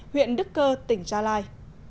huyện đức cơ tỉnh gia lai